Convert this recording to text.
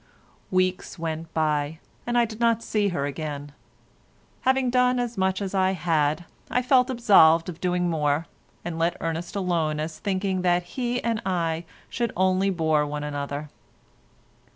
Weeks went by and I did not see her again. Having done as much as I had, I felt absolved from doing more, and let Ernest alone as thinking that he and I should only bore one another.